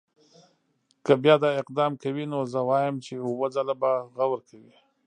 که بیا دا اقدام کوي نو زه وایم چې اووه ځله به غور کوي.